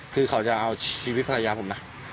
คือเขาจะเอาชีวิตภรรยาผมนะ